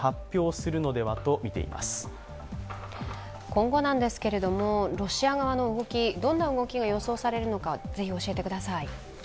今後なんですけれども、ロシア側の動き、どんな動きが予想されるのか、ぜひ教えてください。